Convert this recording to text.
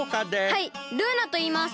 はいルーナといいます。